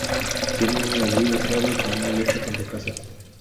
Tiene un ladrido suave, que no molesta cuando caza.